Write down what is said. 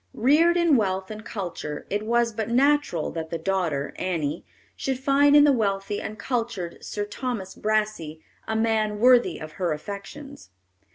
Reared in wealth and culture, it was but natural that the daughter, Annie, should find in the wealthy and cultured Sir Thomas Brassey a man worthy of her affections.